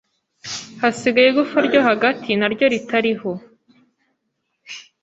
hasigaye igufwa ryo hagati na ryo ritariho,